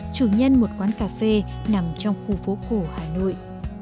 chủ nhân một quán cà phê nằm trong khu phố cổ hà nội